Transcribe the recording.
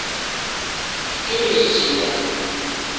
Tgerrez teswiɛt.